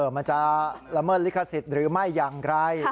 มันจะละเมิดลิขสิทธิ์หรือไม่อย่างไร